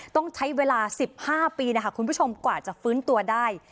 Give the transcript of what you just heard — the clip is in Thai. ต้องใช้เวลา๑๕ปีนะคะคุณผู้ชมกว่าจะฟื้นตัวได้